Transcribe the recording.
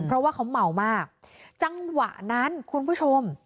เพราะว่าเขาเมามากจังหวะนั้นคุณผู้ชม